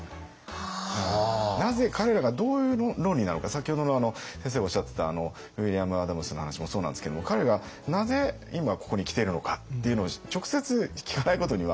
先ほどの先生がおっしゃってたウィリアム・アダムスの話もそうなんですけども彼がなぜ今ここに来ているのかっていうのを直接聞かないことには。